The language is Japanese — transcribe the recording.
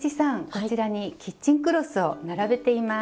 こちらにキッチンクロスを並べています。